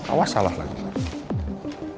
awas salah lagi